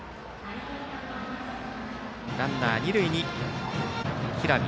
ランナー、二塁に平見。